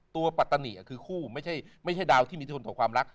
ปัตตานีคือคู่ไม่ใช่ดาวที่มีทนต่อความรัก